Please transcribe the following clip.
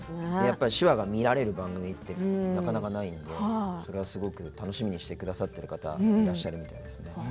手話を見られる番組ってなかなかないので、それはすごく楽しみにしてくださってる方いらっしゃるみたいですね。